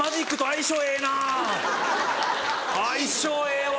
相性ええわ。